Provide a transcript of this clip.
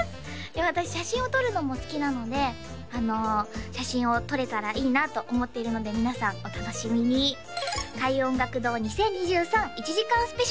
私写真を撮るのも好きなので写真を撮れたらいいなと思っているので皆さんお楽しみに開運音楽堂２０２３１時間ＳＰ！！